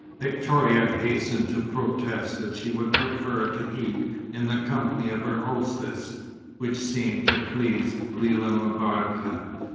Victoria hastened to protest that she would prefer to eat in the company of her hostess, which seemed to please Lella M'Barka.